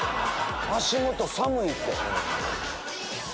足元寒いって！